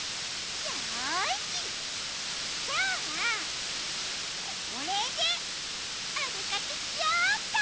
よしきょうはこれでおでかけしようっと！